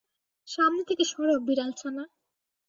সামনে থেকে সরো, বিড়ালছানা।